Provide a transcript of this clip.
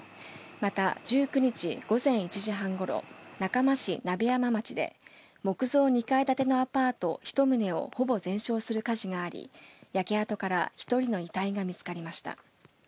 また、１９日午前１時半ごろ中間市鍋山町で木造２階建てのアパート１棟をほぼ全焼する火事があり焼け跡から１人の遺体が見つかりました。